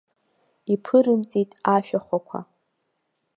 Иԥырымҵит ашәахәақәа.